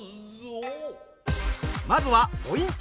まずはポイント